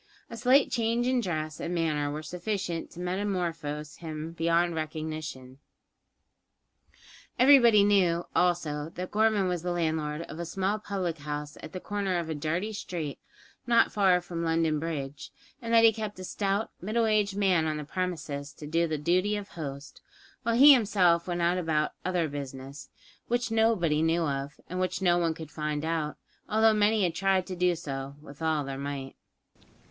A slight change in dress and manner were sufficient to metamorphose him beyond recognition. Everybody knew, also, that Gorman was the landlord of a small public house at the corner of a dirty street, not far from London Bridge; and that he kept a stout, middle aged man on the premises to do the duty of host, while he himself went about "other business," which nobody knew of, and which no one could find out, although many had tried to do so with all their might.